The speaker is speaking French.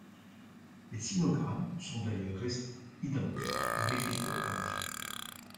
Les sinogrammes sont d'ailleurs restés identiques dans l'écriture kanji.